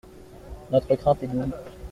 Notre crainte est double.